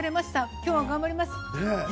今日は頑張ります。